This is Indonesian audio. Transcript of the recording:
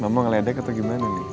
mama ngeledek atau gimana nih